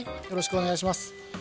よろしくお願いします。